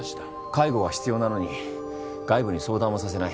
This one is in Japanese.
介護が必要なのに外部に相談もさせない。